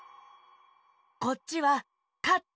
こっちは「かって」